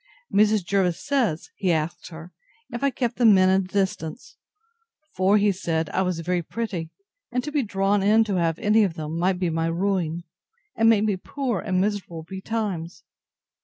Mrs. Jervis says, he asked her, If I kept the men at a distance? for, he said, I was very pretty; and to be drawn in to have any of them, might be my ruin, and make me poor and miserable betimes.